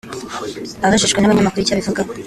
Abajijwe n’abanyamakuru icyo abivugaho